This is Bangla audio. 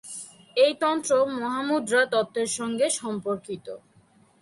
এই তন্ত্র মহামুদ্রা তত্ত্বের সঙ্গে সম্পর্কিত।